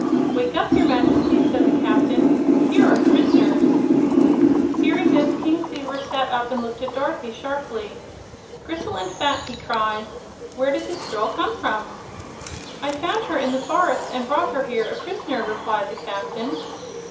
"Wake up, your Majesty," said the Captain. "Here are prisoners." Hearing this, King Kleaver sat up and looked at Dorothy sharply. "Gristle and fat!" he cried. "Where did this girl come from?" "I found her in the forest and brought her here a prisoner," replied the Captain.